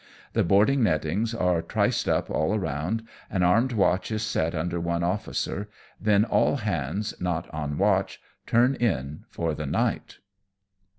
The boarding nettings are triced up all round, an armed watch is set under one officer, then all hands not on watch turn in for the, night.